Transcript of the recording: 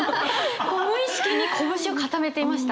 こう無意識に拳を堅めていました。